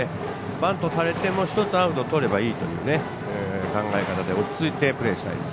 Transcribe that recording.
バントされても１つアウトをとればいいという考え方で落ち着いてプレーしたいです。